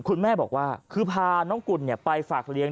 คุณแม่บอกว่าคือพาน้องกุลไปฝากเลี้ยง